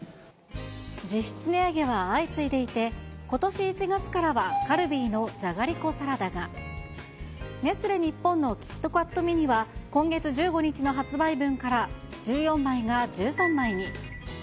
実質値上げは相次いでいて、ことし１月からはカルビーのじゃがりこサラダが、ネスレ日本のキットカットミニは今月１５日の発売分から、１４枚が１３枚に。